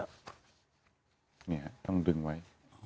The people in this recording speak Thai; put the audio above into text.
อันนี้ต้องดึงไว้